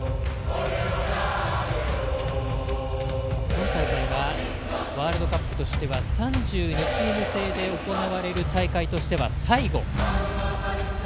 今大会はワールドカップとしては３２チーム制で行われる大会としては最後。